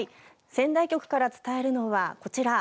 仙台局から伝えるのはこちら。